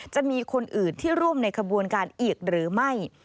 จะมีคนอื่นที่ร่วมในขบวนการอีกหรือไม่